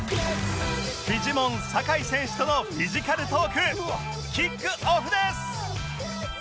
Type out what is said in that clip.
フィジモン酒井選手とのフィジカルトークキックオフです！